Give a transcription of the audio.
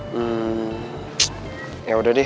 hmm yaudah deh